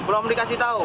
belum dikasih tahu